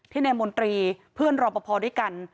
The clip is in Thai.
ที่นายมนตรีเพื่อนรอพอด้วยกัน